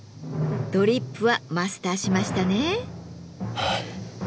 ドリップはマスターしましたね。